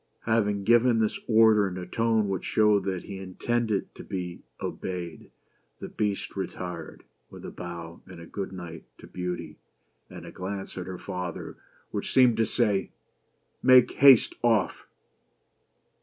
Having given this order in a tone which showed that he intended to be obeyed, the Beast retired, with a bow and a good night to Beauty, and a glance at her father which seemed to say —" Make haste off."